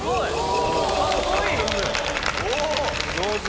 上手！